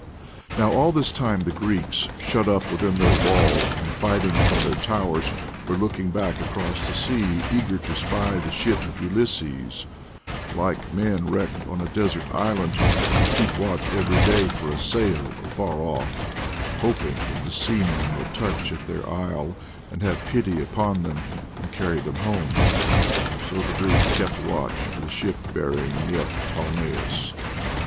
Now all this time the Greeks, shut up within their wall and fighting from their towers, were looking back across the sea, eager to spy the ship of Ulysses, like men wrecked on a desert island, who keep watch every day for a sail afar off, hoping that the seamen will touch at their isle and have pity upon them, and carry them home, so the Greeks kept watch for the ship bearing Neoptolemus.